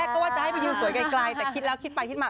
ก็ว่าจะให้ไปยืนสวยไกลแต่คิดแล้วคิดไปคิดมา